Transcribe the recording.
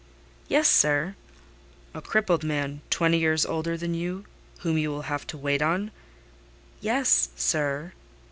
"Yes, sir." "A crippled man, twenty years older than you, whom you will have to wait on?" "Yes, sir."